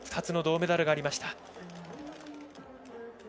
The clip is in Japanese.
２つの銅メダルがありました。